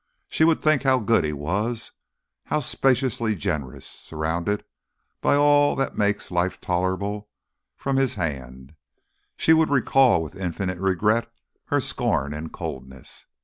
She would think how good he was, how spaciously generous; surrounded by all that makes life tolerable from his hand, she would recall with infinite regret her scorn and coldness.